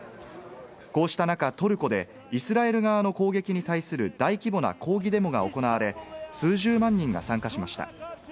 こうした中、トルコでイスラエル側の攻撃に対する大規模な抗議デモが行われ、数十万人が参加しました。